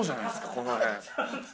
この辺。